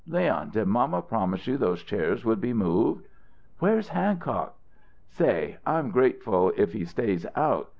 "Leon, did mamma promise you those chairs would be moved?" "Where's Hancock?" "Say I'm grateful if he stays out.